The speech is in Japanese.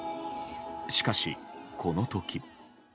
しかし、この時。